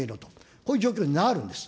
こういう状況になるんです。